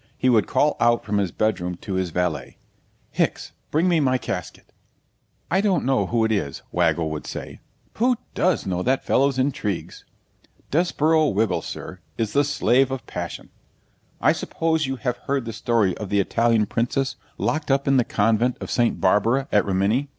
He would call out from his bed room to his valet, 'Hicks, bring me my casket!' 'I don't know who it is,' Waggle would say. 'Who DOES know that fellow's intrigues! Desborough Wiggle, sir, is the slave of passion. I suppose you have heard the story of the Italian princess locked up in the Convent of Saint Barbara, at Rimini?